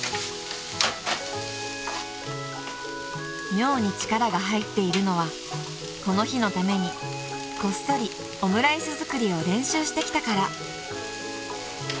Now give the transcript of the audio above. ［妙に力が入っているのはこの日のためにこっそりオムライス作りを練習してきたから］